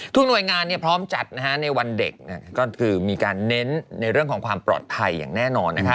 หน่วยงานพร้อมจัดในวันเด็กก็คือมีการเน้นในเรื่องของความปลอดภัยอย่างแน่นอนนะคะ